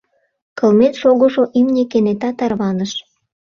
Кылмен шогышо имне кенета тарваныш.